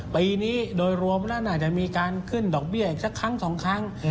ปีนี้โดยรวมแล้วน่าจะมีการขึ้นดอกเบี้ยอีกสักครั้งสองครั้ง